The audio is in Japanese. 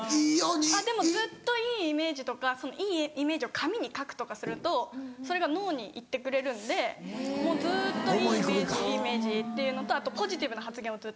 でもずっといいイメージとかいいイメージを紙に書くとかするとそれが脳にいってくれるんでもうずっといいイメージいいイメージっていうのとあとポジティブな発言をずっとする。